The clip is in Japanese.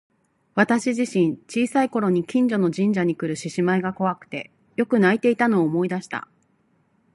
私自身、小さい頃に近所の神社にくる獅子舞が怖くてよく泣いていたのを思い出した。